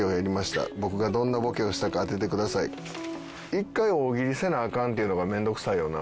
１回大喜利せなアカンっていうのが面倒くさいよな。